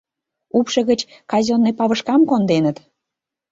Упшо гыч казённый павышкам конденыт.